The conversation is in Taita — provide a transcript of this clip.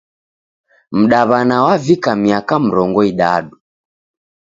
Mdaw'ana wavika miaka mrongo idadu.